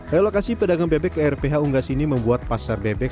relokasi pedagang bebek ke rph unggas ini membuat pasar bebek